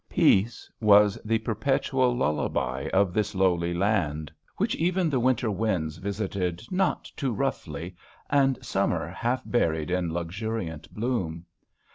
"Peace" was the perpetual lullaby of this lowly land, which even the winter winds visited not too roughly and summer half buried in luxuriant bloom.